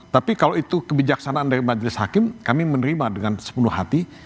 tapi kalau itu kebijaksanaan dari majelis hakim kami menerima dengan sepenuh hati